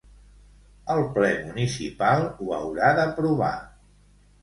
El Ple municipal ho haurà d'aprovar.